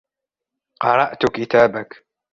قرأت كتابك.